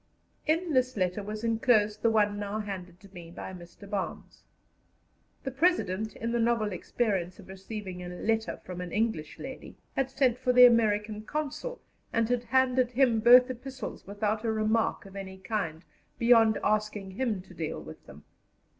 In this letter was enclosed the one now handed to me by Mr. Barnes. The President, in the novel experience of receiving a letter from an English lady, had sent for the American Consul, and had handed him both epistles without a remark of any kind, beyond asking him to deal with them.